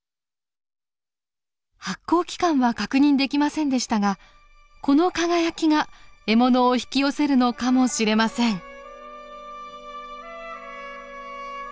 発光器官は確認できませんでしたがこの輝きが獲物を引き寄せるのかもしれません。